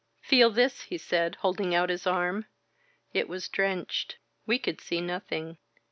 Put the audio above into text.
"Feel this," he said, holding out his arm. It was drenched. We could see nothing.